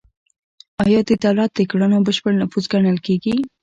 دا د دولت د کړنو بشپړ نفوذ ګڼل کیږي.